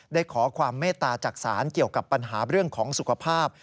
ขอความเมตตาจากศาลเกี่ยวกับปัญหาเรื่องของสุขภาพ